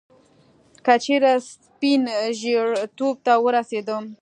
که چیري سپين ژیرتوب ته ورسېدم